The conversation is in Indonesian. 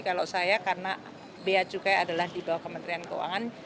kalau saya karena biacukai adalah di bawah kementerian keuangan